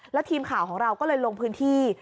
แล้วทีมข่าวของเราก็เลยลงพื้นที่